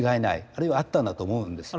あるいはあったんだと思うんです。